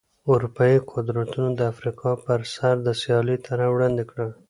اروپايي قدرتونو د افریقا پر سر د سیالۍ طرحه وړاندې کړه.